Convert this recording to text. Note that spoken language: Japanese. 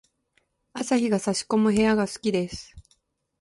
朝日が差し込む部屋が好きです。